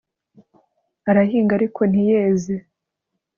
arahinga ariko ntiyeze